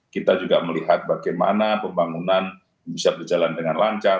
kita juga melihat bagaimana pembangunan bisa berjalan dengan lancar